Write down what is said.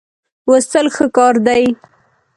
لوستل ښه کار دی.